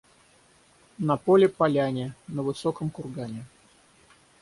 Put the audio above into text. На поле — поляне, на высоком кургане.